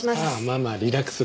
まあまあリラックスで。